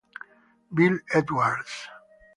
Bill Edwards